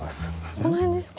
この辺ですか？